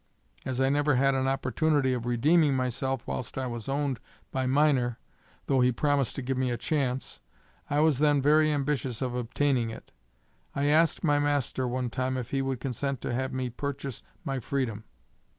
As I never had an opportunity of redeeming myself whilst I was owned by Miner, though he promised to give me a chance, I was then very ambitious of obtaining it. I asked my master one time if he would consent to have me purchase my freedom.